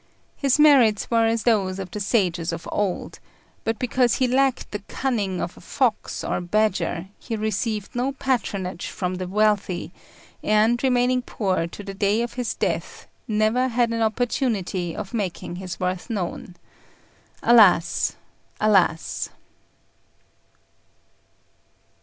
His merits were as those of the sages of old; but because he lacked the cunning of a fox or badger he received no patronage from the wealthy, and, remaining poor to the day of his death, never had an opportunity of making his worth known. Alas! alas!"